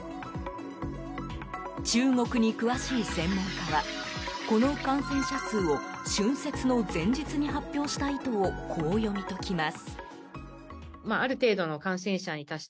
中国に詳しい専門家はこの感染者数を春節の前日に発表した意図をこう読み解きます。